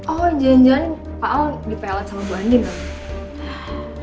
oh jangan jangan pak al dipelat sama bu andin lah